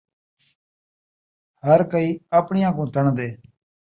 ہر کئی آپݨیاں کوں تݨدے